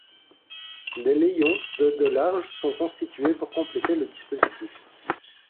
Des layons de de large sont constitués pour compléter le dispositif.